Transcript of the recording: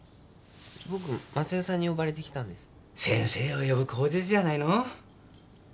僕昌代さんに呼ばれて来たんです。先生を呼ぶ口実じゃないの？